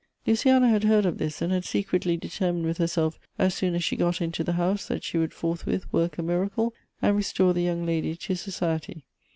Luciana had heard of this, and had secretly deter mined with herself, as soon as she got into the house, that she would forthwith work a miracle, and restore the young lady to society.